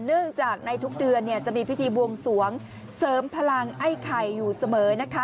เนื่องจากในทุกเดือนจะมีพิธีบวงสวงเสริมพลังไอ้ไข่อยู่เสมอนะคะ